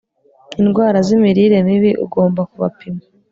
indwara z'imirire mibi, ugomba kubapima